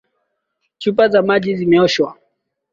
Chupa za maji zimeoshwa.